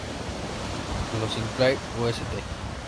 Los Sinclair, o St.